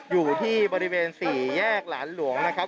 อยู่ที่บริเวณ๔แยกหลานหลวงนะครับ